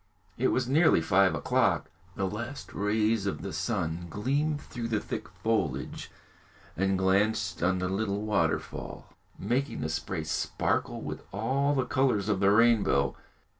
It was nearly five o'clock. The last rays of the sun gleamed through the thick foliage and glanced on the little waterfall, making the spray sparkle with all the colours of the rainbow.